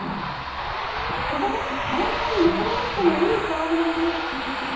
そこで毎回、結ばなくてもいい虎の巻。